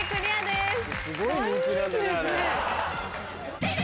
すごい人気なんだねあれ。